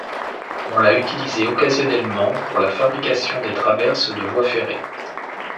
On l'a utilisé occasionnellement pour la fabrication des traverses de voies ferrées.